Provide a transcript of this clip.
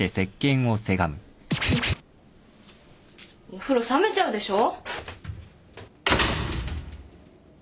お風呂冷めちゃうでしょ。